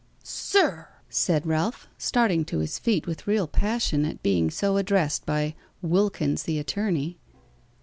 "Sir!" said Ralph, starting to his feet with real passion at being so addressed by "Wilkins the attorney."